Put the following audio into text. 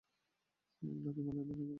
এক লাথি মারলেই ভেঙে যাবে।